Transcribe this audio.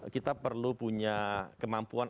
kita perlu punya kemampuan